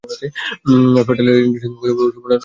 আর federal এজেন্টের সাথে অশোভন আচরণের কথাও উল্লেখ করা হয়েছে।